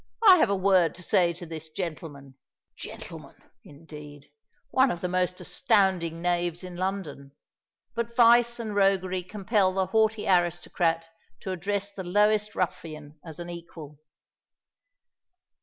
I have a word to say to this gentleman." Gentleman, indeed!—one of the most astounding knaves in London! But vice and roguery compel the haughty aristocrat to address the lowest ruffian as an equal.